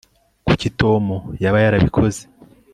kuki tom yaba yarabikoze